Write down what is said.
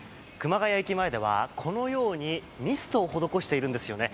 谷駅前ではこのようにミストを施しているんですよね。